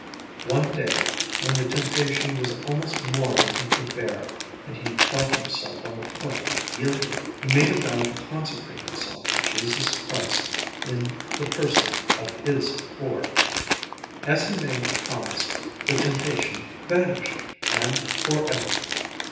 One day when the temptation was almost more than he could bear and he felt himself on the point of yielding, he made a vow to consecrate himself to Jesus Christ in the person of His poor. As he made the promise the temptation vanished, and forever.